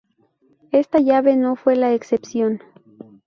Esta llave no fue la excepción.